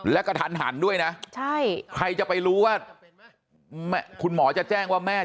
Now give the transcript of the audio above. และกระถันหันด้วยนะใช่ใครจะไปรู้ว่ามแม่